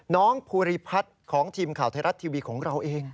ภูริพัฒน์ของทีมข่าวไทยรัฐทีวีของเราเอง